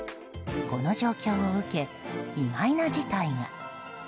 この状況を受け、意外な事態が。